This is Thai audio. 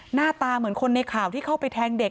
หน้าตาเหมือนคนในข่าวที่เข้าไปแทงเด็ก